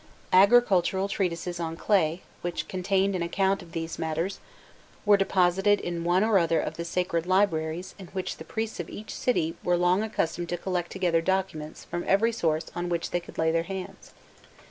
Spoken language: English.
Agricultural treatises on clay, which contained an account of these matters, were deposited in one or other of the sacred libraries in which the priests of each city were long accustomed to collect together documents from every source on which they could lay their hands.